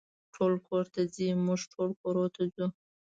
ټول کور ته ځي، موږ ټول کورونو ته ځو.